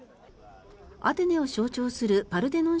アテネを象徴するパルテノン